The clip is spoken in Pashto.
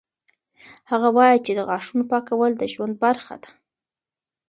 هغه وایي چې د غاښونو پاکول د ژوند برخه ده.